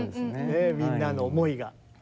みんなの思いが。